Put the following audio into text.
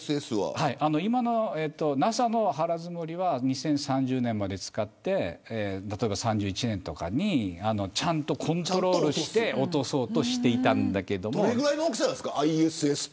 ＮＡＳＡの腹づもりは２０３０年まで使って例えば３１年とかにちゃんとコントロールして落とそうとしていたんですけれど。